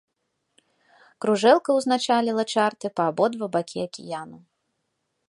Кружэлка ўзначаліла чарты па абодва бакі акіяну.